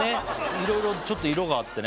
いろいろちょっと色があってね